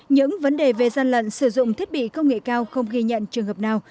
những vấn đề về gian lận sử dụng thiết bị công nghệ cao không ghi nhận trường hợp nào